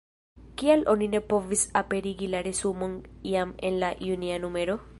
Kial oni ne povis aperigi la resumon jam en la junia numero?